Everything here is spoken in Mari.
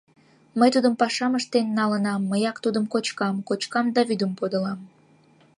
Мый тудым пашам ыштен налынам, мыяк тудым кочкам; кочкам да вӱдым подылам.